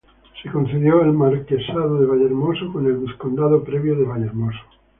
Se concedió el Marquesado de Vallehermoso con el vizcondado previo de Vallehermoso.